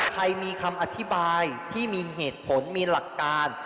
ใครมีคำอธิบายที่มีเหตุผลมีหลักการ